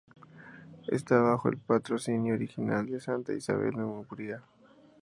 Está bajo el patrocinio original de Santa Isabel de Hungría.